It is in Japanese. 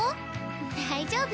大丈夫。